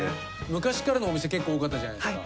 昔からのお店結構多かったじゃないですか。